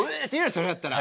それやったら。